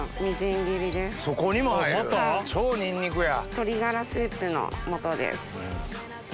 鶏ガラスープの素です。